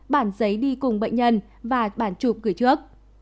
bản giấy đi cùng bệnh nhân và bản chụp gửi trước